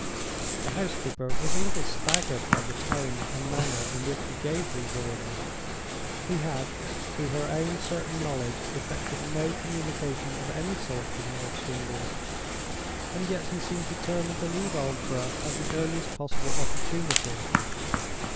The housekeeper was a little staggered by the tone and manner in which he gave these orders. He had, to her own certain knowledge, effected no communication of any sort with North Shingles, and yet he seemed determined to leave Aldborough at the earliest possible opportunity.